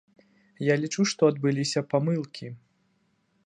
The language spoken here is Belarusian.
Я лічу, што адбыліся памылкі.